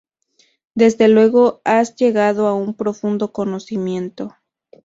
Desde luego has llegado a un profundo conocimiento".